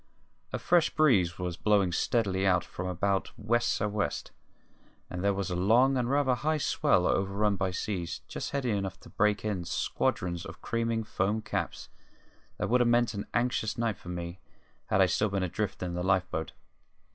A fresh breeze was blowing steadily out from about west sou' west, and there was a long and rather high swell, overrun by seas just heavy enough to break in squadrons of creaming foam caps that would have meant an anxious night for me had I still been adrift in the life boat.